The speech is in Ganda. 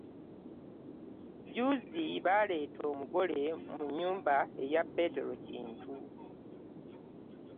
Jjuuzi baaleeta omugole mu nnyumba eya Petero Kintu.